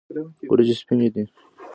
وریجې سپینې دي.